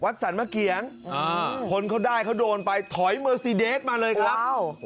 วัดสรรมาเกียงอ่าคนเขาได้เขาโดนไปถอยเมอร์ซีเดสมาเลยครับว้าว